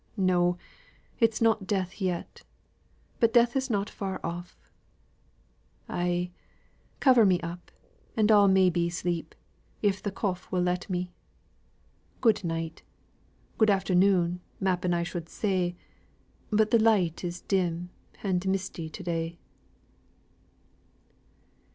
No! it's not death yet, but death is not far off. Ay. Cover me up, and I'll may be sleep, if th' cough will let me. Good night good afternoon, m'appen I should say but th' light is dim an' misty to day."